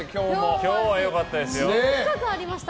今日は良かったですよ。